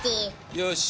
よし！